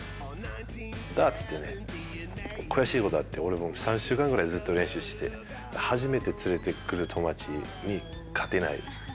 ダーツって悔しいことがあって、３週間ぐらいずっと練習して、初めて連れてくる友達に勝てない。